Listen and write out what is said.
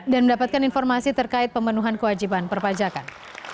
dan mendapatkan informasi terkait pemenuhan kewajiban perpajakan